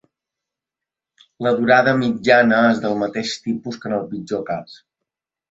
La durada mitjana és del mateix tipus que en el pitjor cas.